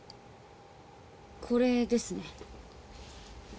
これですね。